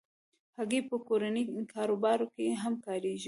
هګۍ په کورني کاروبار کې هم کارېږي.